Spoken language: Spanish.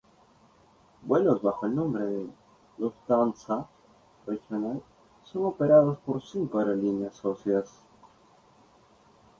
Vuelos bajo el nombre de "Lufthansa Regional" son operados por cinco aerolíneas socias.